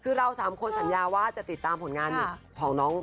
คือเราสามคนสัญญาว่าจะติดตามผลงานของน้อง